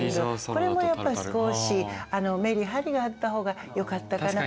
これもやっぱり少しメリハリがあった方がよかったかな。